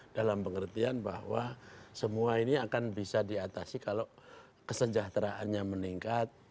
dalam pengertian bahwa semua ini akan bisa diatasi kalau kesejahteraannya meningkat